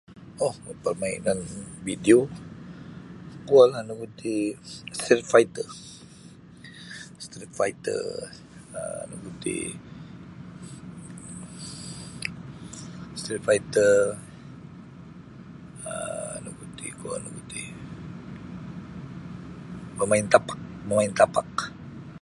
Oo pemainan vidio kuo um nugu ti Street Fighter um Street Fighter um nugu ti Street Fighter um nugu ti kuo nugu ti um bemain tapak bemain tapak